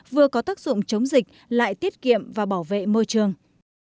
vừa có tác dụng chống dịch lại tiết kiệm và bảo vệ môi trường